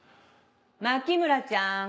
牧村ちゃん